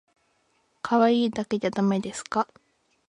かわいいだけじゃだめですか